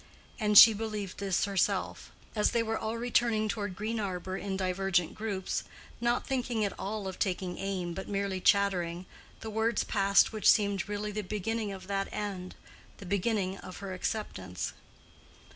And she believed this herself. As they were all returning toward Green Arbor in divergent groups, not thinking at all of taking aim but merely chattering, words passed which seemed really the beginning of that end—the beginning of her acceptance.